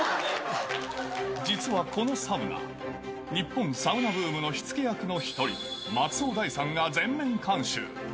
実はこのサウナ、日本サウナブームの火付け役の１人、松尾大さんが全面監修。